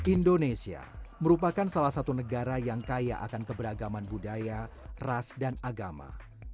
indonesia merupakan salah satu negara yang kaya akan keberagaman budaya ras dan agama